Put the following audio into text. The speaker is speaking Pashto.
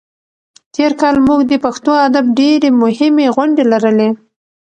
تېر کال موږ د پښتو ادب ډېرې مهمې غونډې لرلې.